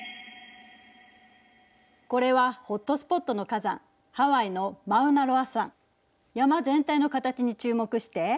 これはホットスポットの火山山全体の形に注目して。